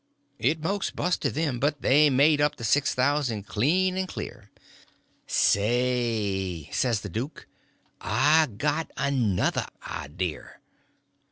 It most busted them, but they made up the six thousand clean and clear. "Say," says the duke, "I got another idea.